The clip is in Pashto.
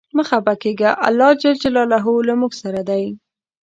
مه خپه کیږه ، الله ج له مونږ سره دی.